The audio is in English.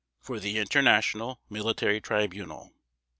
FOR THE INTERNATIONAL MILITARY TRIBUNAL.